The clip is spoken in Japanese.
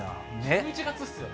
１１月っすよね。